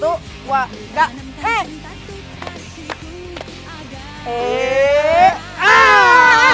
buka ke depan diam